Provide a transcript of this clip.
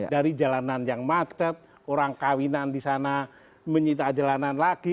dari jalanan yang macet orang kawinan di sana menyita jalanan lagi